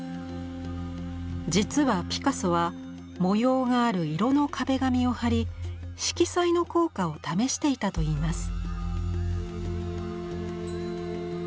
実はピカソは模様がある色の壁紙を貼り色彩の効果を試していたといいます。